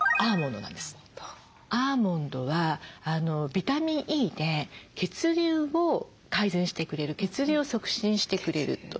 アーモンドはビタミンＥで血流を改善してくれる血流を促進してくれるという。